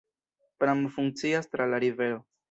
Pramo funkcias tra la rivero.